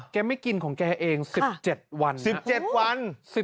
แกไม่กินของแกเอง๑๗วัน